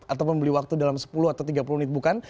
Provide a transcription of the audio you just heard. atau membeli waktu dalam sepuluh atau tiga puluh menit bukan